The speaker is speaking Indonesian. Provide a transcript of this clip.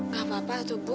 gak apa apa tuh bu